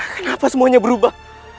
kenapa semuanya berubah